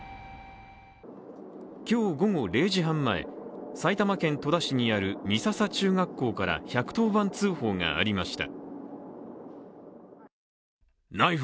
今日午後０時半前、埼玉県戸田市にある美笹中学校から１１０番通報がありました。